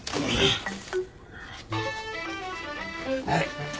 はい。